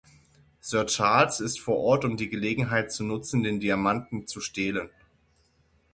Sir Charles ist vor Ort, um die Gelegenheit zu nutzen, den Diamanten zu stehlen.